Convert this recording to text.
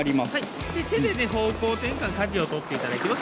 手で方向転換、かじをとっていただきます。